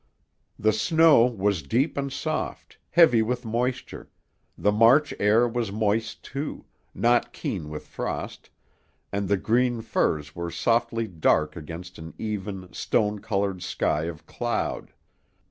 The snow was deep and soft, heavy with moisture, the March air was moist, too, not keen with frost, and the green firs were softly dark against an even, stone colored sky of cloud.